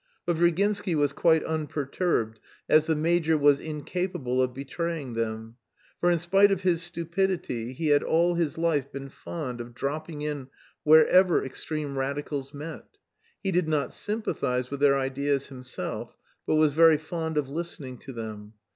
But Virginsky was quite unperturbed, as the major was "incapable of betraying them"; for in spite of his stupidity he had all his life been fond of dropping in wherever extreme Radicals met; he did not sympathise with their ideas himself, but was very fond of listening to them.